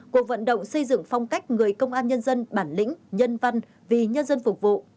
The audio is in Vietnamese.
cuộc vận động xây dựng phong cách người công an nhân dân bản lĩnh nhân văn vì nhân dân phục vụ